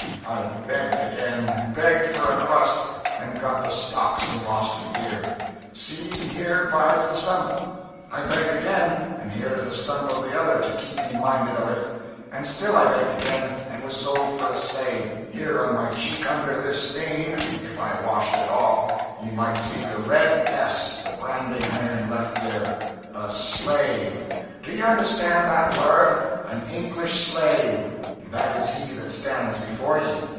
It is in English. I begged again begged, for a crust, and got the stocks and lost an ear see, here bides the stump; I begged again, and here is the stump of the other to keep me minded of it. And still I begged again, and was sold for a slave here on my cheek under this stain, if I washed it off, ye might see the red S the branding iron left there! A slave! Do you understand that word? An English slave! that is he that stands before ye.